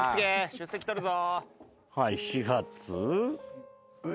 出席取るぞ。